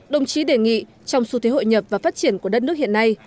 đồng chí đề nghị trong xu thế hội nhập và phát triển của đất nước hiện nay